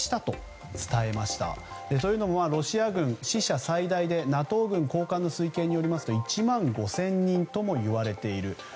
というのもロシア軍、死者は最大でＮＡＴＯ軍高官の推計によりますと１万５０００人ともいわれている。